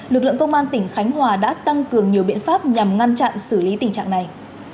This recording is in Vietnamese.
lực lượng công an tỉnh khánh hòa đã tăng cường nhiều biện pháp nhằm ngăn chặn xử lý tình trạng này